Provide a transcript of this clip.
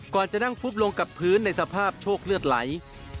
ก่อนจะนั่งฟุบลงกับพื้นในสภาพโชคเลือดไหล